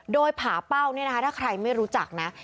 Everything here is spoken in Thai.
โดยผาเป้าเนี่ยนะคะถ้าใครไม่รู้จักนะ